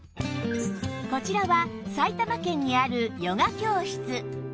こちらは埼玉県にあるヨガ教室